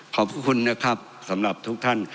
ขอบคุณนะครับสำหรับทุกท่าน